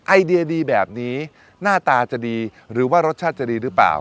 ไอเดียดีแบบนี้หน้าตาจะดีหรือว่ารสชาติจะดีหรือเปล่า